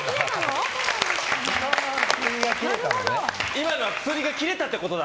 今のは薬が切れたってことだ！